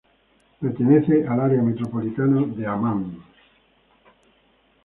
Pertenece al área metropolitana de Ammán.